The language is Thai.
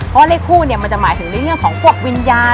ถ้าเรียกคู่เนี่ยมันจะหมายถึงในเรื่องของภวกวิญญาณ